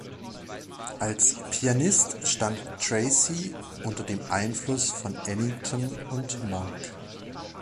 Als Pianist stand Tracey unter dem Einfluss von Ellington und Monk.